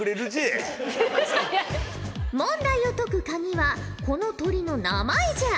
問題を解くカギはこの鳥の名前じゃ。